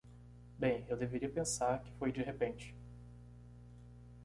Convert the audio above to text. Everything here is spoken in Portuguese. Bem, eu deveria pensar que foi de repente!